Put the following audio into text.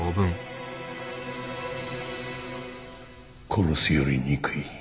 殺すより憎い。